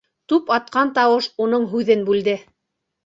Туп атҡан тауыш уның һүҙен бүлде.